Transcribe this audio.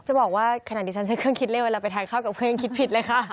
จะบอกว่าขนาดนี้ฉันใช้เครื่องคิดเลขเวลาไปทานข้าวกับเครื่องยังคิดผิดเลยค่ะ